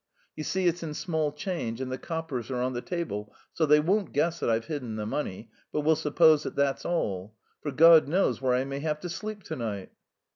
You see, it's in small change and the coppers are on the table, so they won't guess that I've hidden the money, but will suppose that that's all. For God knows where I may have to sleep to night!"